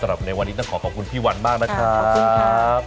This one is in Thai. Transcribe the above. สำหรับในวันนี้ต้องขอขอบคุณพี่วันมากนะครับ